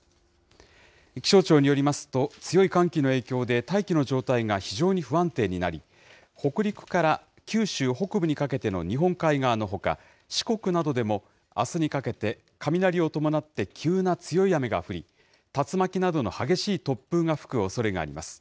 気象庁によりますと、強い寒気の影響で、大気の状態が非常に不安定になり、北陸から九州北部にかけての日本海側のほか、四国などでも、あすにかけて雷を伴って、急な強い雨が降り、竜巻などの激しい突風が吹くおそれがあります。